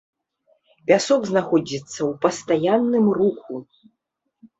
Пясок знаходзіцца ў пастаянным руху.